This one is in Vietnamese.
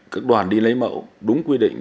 các đoàn đi lấy mẫu đúng quy định